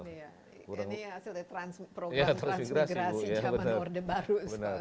ini yang hasilnya program transmigrasi zaman orde baru